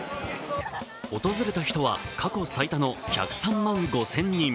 訪れた人は過去最多の１０３万５０００人。